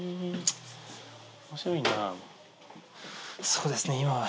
そうですね。